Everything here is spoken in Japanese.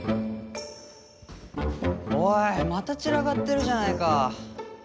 おいまた散らかってるじゃないか。